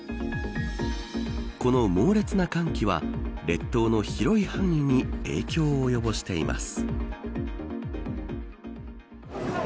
この猛烈な寒気は列島の広い範囲に影響を及ぼしています。